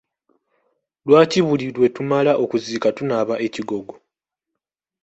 Lwaki buli lwe tumala okuziika tunaaba ekigogo?